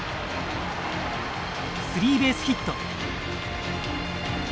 スリーベースヒット。